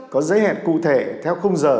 có giấy hẹn cụ thể theo khung giờ